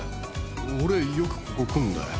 俺よくここ来んだよ